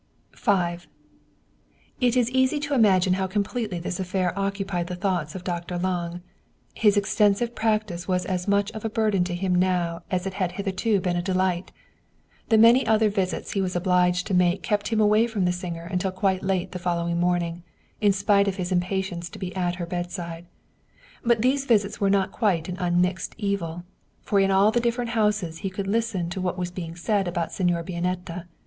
IT is easy to imagine how completely this affair occupied the thoughts of Dr. Lange. His extensive practice was as much of a burden to him now as it had hitherto been a delight. The many other visits he was obliged to make kept him away from the singer until quite late the follow ing morning, in spite of his impatience to be at her bedside. But these visits were not quite an unmixed evil, for in all the different houses he could listen to what was being said about Signora Bianetta.